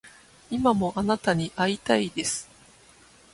今もあなたに逢いたいです